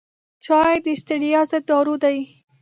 چای د ستړیا ضد دارو دی.